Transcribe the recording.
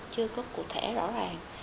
chưa có cụ thể rõ ràng